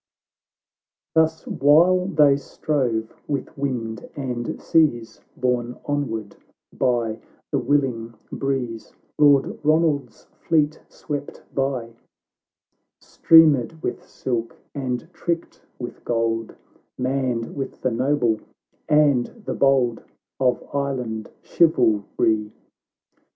xv Thus while they strove with wind and seas, Borne onward by the willing breeze, Lord Ronald's fleet swept by, Streamered with silk, and tricked with gold, Manned with the noble and the bold Of Island chivalry.